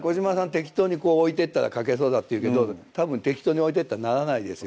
適当に置いてったら描けそうだって言うけどたぶん適当に置いてったらならないですよ